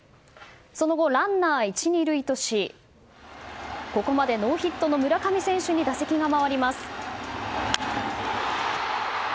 その後、ランナー１、２塁としここまでノーヒットの村上選手に打席が回ります。